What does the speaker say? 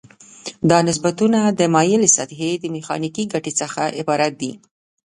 دغه نسبتونه د مایلې سطحې د میخانیکي ګټې څخه عبارت دي.